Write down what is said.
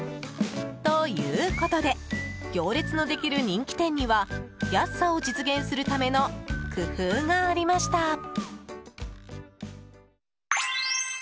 ということで行列のできる人気店には安さを実現するための工夫がありました。